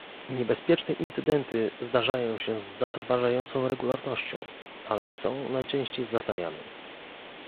Niebezpieczne incydenty zdarzają się z zatrważającą regularnością, ale są najczęściej zatajane